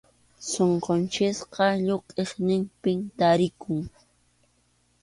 Sunqunchikqa lluqʼiniqpim tarikun.